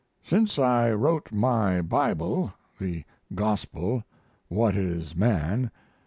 Since I wrote my Bible [The "Gospel," What is Man?